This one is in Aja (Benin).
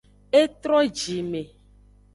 E tro jime.